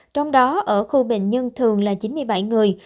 trong đó ở khu bệnh nhân thường là chín mươi bảy người